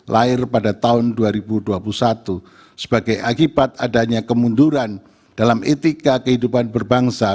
lahir pada tahun dua ribu dua puluh satu sebagai akibat adanya kemunduran dalam etika kehidupan berbangsa